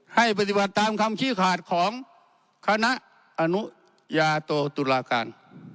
ให้ปฏิบัติตามคำขี้ขาดของคณะอนุญาโตตุลาการ